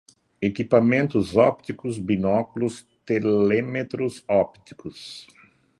Equipamentos ópticos, binóculos, telémetros ópticos